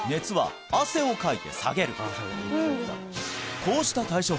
こうした対処法